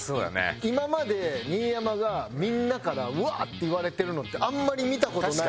今まで新山がみんなからウワーって言われてるのってあんまり見た事ない。